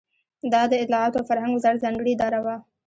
دا د اطلاعاتو او فرهنګ وزارت ځانګړې اداره وه.